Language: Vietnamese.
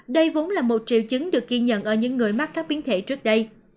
đây vốn là một triệu chứng được ghi nhận ở những người mắc các biến thể trước đây